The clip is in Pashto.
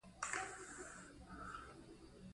زمرد د افغان ښځو په ژوند کې رول لري.